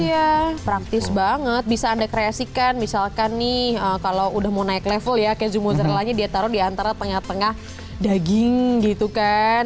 iya praktis banget bisa anda kreasikan misalkan nih kalau udah mau naik level ya keju mozzarellanya dia taruh di antara tengah tengah daging gitu kan